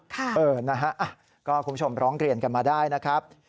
คุณผู้ชมร้องเตรียนกันมาได้นะครับ